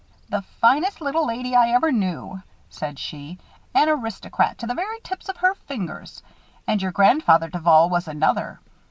"The finest little lady I ever knew," said she. "An aristocrat to the very tip of her fingers. And your grandfather Duval was another.